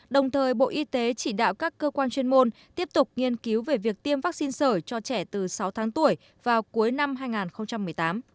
đồng thời bộ y tế chỉ đạo các cơ quan chuyên môn tiếp tục nghiên cứu về việc tiêm vaccine sởi cho trẻ từ sáu tháng tuổi vào cuối năm hai nghìn một mươi tám